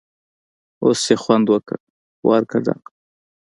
اوس یې خوند وکړ٬ ورکه ډنګ!